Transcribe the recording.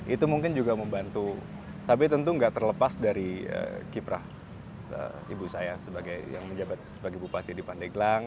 itu mungkin juga membantu tapi tentu tidak terlepas dari kiprah ibu saya sebagai yang menjabat sebagai bupati di pandeglang